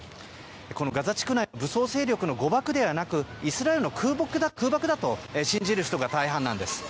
このガザ地区内武装勢力の誤爆ではなくイスラエルの空爆だと信じる人が大半なんです。